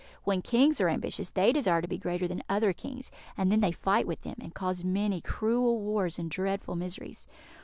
When Kings are ambitious, they desire to be greater than other Kings, and then they fight with them, and cause many cruel wars and dreadful miseries.